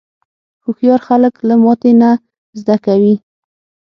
هوښیار خلک له ماتې نه زده کوي.